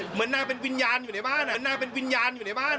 เหมือนนางเป็นวิญญาณอยู่ในบ้าน